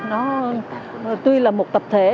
nó tuy là một tập thể